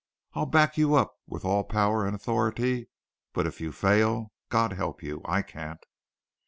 I'll back you up with all power and authority, but if you fail, God help you; I can't."